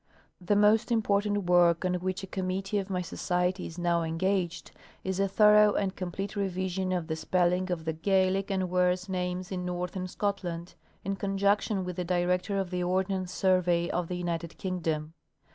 The most important work on which a committee of my Society is now engaged is a thorough and complete revision of the spell ing of the Gaelic and worse names in northern Scotland, in con junction with the director of the Ordnance Survey of the United Kingdom.